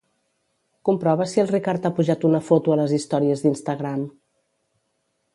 Comprova si el Ricard ha pujat una foto a les històries d'Instagram.